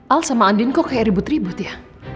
al sama andin kok kayak ribut ribut ya